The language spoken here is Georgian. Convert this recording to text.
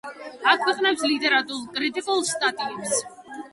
აქვეყნებს ლიტერატურულ-კრიტიკულ სტატიებს.